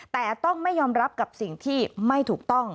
แต่ต้องไม่ยอมรับกับสิ่งที่ไม่ถูกต้อง